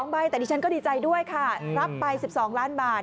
ใบแต่ดิฉันก็ดีใจด้วยค่ะรับไป๑๒ล้านบาท